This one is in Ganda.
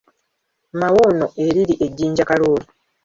Mawuuno eriri e Jjinja Kalooli.